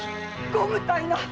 ご無体な！